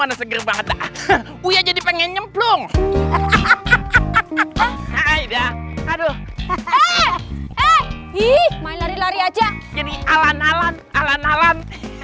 ada uya jadi pengen nyemplung aduh eh eh ih main lari lari aja jadi alan alan alan alan